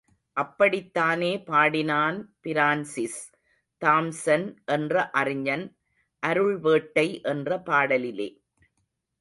அப்படித்தானே பாடினான் Francis, Thomson என்ற அறிஞன், அருள்வேட்டை என்ற பாடலிலே.